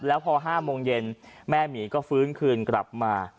แล้วพอ๕โมงเย็นแม่หมีก็ฟื้นคืนกลับมา